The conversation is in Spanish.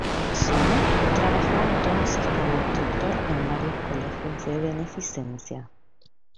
Sommer trabajó entonces como instructor en varios colegios de beneficencia.